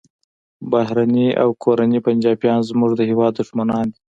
بهرني او کورني پنجابیان زموږ د هیواد دښمنان دي